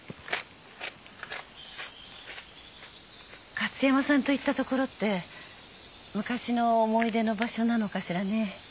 加津山さんと行った所って昔の思い出の場所なのかしらね？